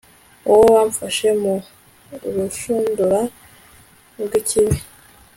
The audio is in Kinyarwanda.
Wowe wamfashe mu rushundura rwikibi